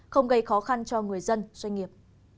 không gây khó khăn cho người dân doanh nghiệp